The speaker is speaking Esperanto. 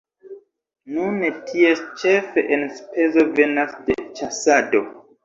Nune ties ĉefe enspezo venas de ĉasado.